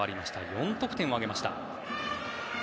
４得点を挙げました。